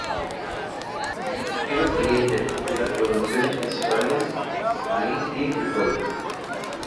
El clima es caliente, y las producciones principales: maíz y frijol.